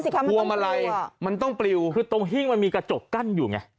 นั่นสิครับมันต้องปลิวอ่ะคือตรงหิ้งมันมีกระจกกั้นอยู่ไงมันต้องปลิว